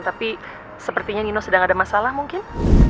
tapi sepertinya nino sedang ada masalah mungkin